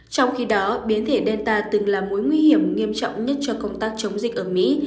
trong khi đó biến thể delta từng là mối nguy hiểm nghiêm trọng nhất cho công tác chống dịch ở mỹ